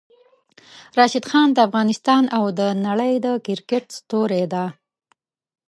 راشد خان د افغانستان او د نړۍ د کرکټ ستوری ده!